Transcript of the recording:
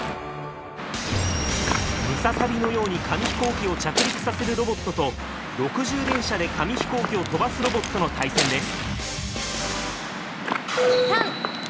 ムササビのように紙飛行機を着陸させるロボットと６０連射で紙飛行機を飛ばすロボットの対戦です。